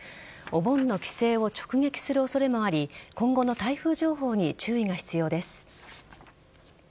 お盆の帰省を直撃する恐れもあり今後の台風情報に注意が必要です。